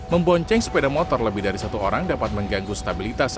membonceng sepeda motor lebih dari satu orang dapat mengganggu stabilitas